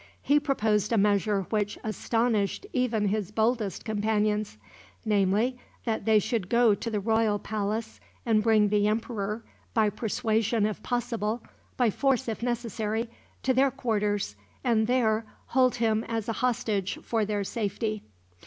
He proposed a measure which astonished even his boldest companions; namely, that they should go to the royal palace, and bring the emperor by persuasion if possible, by force if necessary to their quarters, and there hold him as a hostage for their safety.